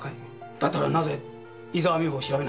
だったらなぜ伊沢美穂を調べない？